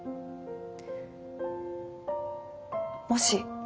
もし。